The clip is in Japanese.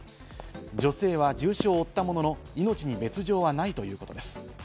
女性は重傷を負ったものの、命に別条はないということです。